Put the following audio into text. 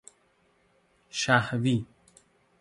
شهوی